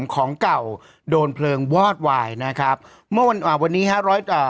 ของเก่าโดนเพลิงวอดวายนะครับเมื่อวันอ่าวันนี้ฮะร้อยเอ่อ